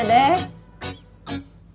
deh biar ece yang bikinin minum